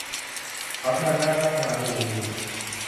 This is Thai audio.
สาธารณรัฐนาอูรู